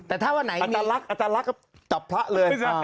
อาจารย์ลักษณ์ก็จับพระเลย